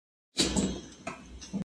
زه اوس درسونه لوستل کوم.